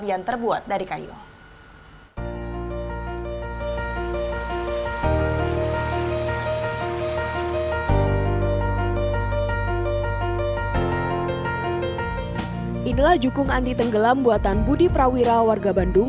yang terbuat dari kayu